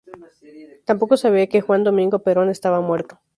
Tampoco sabía que Juan Domingo Perón estaba muerto.